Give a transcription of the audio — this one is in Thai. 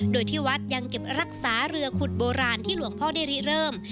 โดยที่วัดยังเก็บรักษาเรือขุดโบราณที่หลวงพ่อได้ริเริ่ม